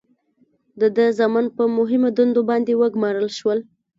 د ده زامن په مهمو دندو باندې وګمارل شول.